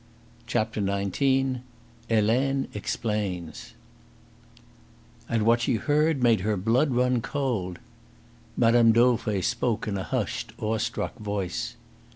CHAPTER XIX HELENE EXPLAINS And what she heard made her blood run cold. Mme. Dauvray spoke in a hushed, awestruck voice.